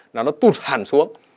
nó nó tụt hẳn xuống